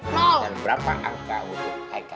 dan berapa angka untuk haika